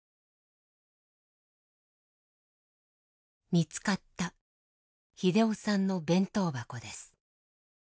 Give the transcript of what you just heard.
見つかった秀雄さんの弁当箱です。